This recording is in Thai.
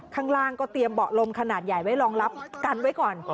ข้างล่างก็เตรียมเบาะลมขนาดใหญ่ไว้รองรับกันไว้ก่อน